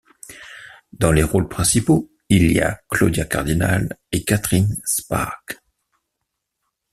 Dans les rôles principaux, il y a Claudia Cardinale et Catherine Spaak.